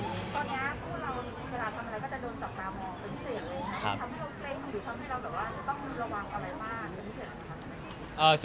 มีอะไรที่เราต้องรู้ระวังอะไรมากเป็นพิเศษหรือเปล่าครับ